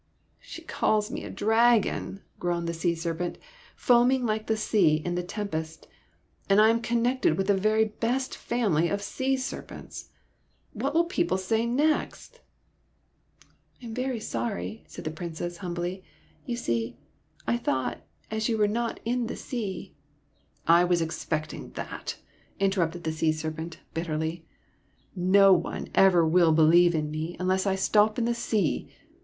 '' She calls me a dragon !" groaned the sea serpent, foaming like the sea in a tempest ;" and I am connected with the very best family of sea serpents ! What will people say next ?"" I am very sorry," said the Princess, hum bly. '' You see, I thought, as you were not in the sea —"'' I was expecting that," interrupted the sea SOMEBODY ELSE^S PRINCE 93 serpent, bitterly. " No one ever will believe in me unless I stop in the sea.